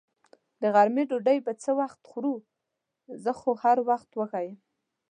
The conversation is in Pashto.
د غرمې ډوډۍ به څه وخت خورو؟ زه خو هر وخت وږې یم.